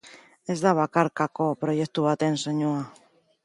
Ez da bakarkako proiektu baten soinua.